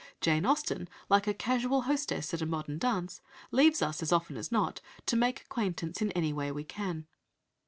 Jane Austen, like a casual hostess at a modern dance, leaves us, as often as not, to make acquaintance in any way we can.